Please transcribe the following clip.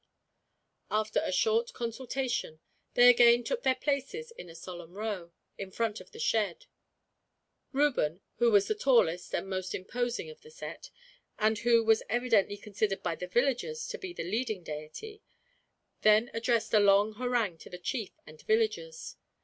After a short consultation, they again took their places in a solemn row, in front of the shed. Reuben, who was the tallest and most imposing of the set, and who was evidently considered by the villagers to be the leading deity, then addressed a long harangue to the chief and villagers.